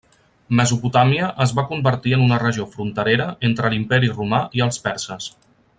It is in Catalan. Mesopotàmia es va convertir en una regió fronterera entre l'imperi romà i els perses.